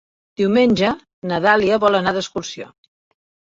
Diumenge na Dàlia vol anar d'excursió.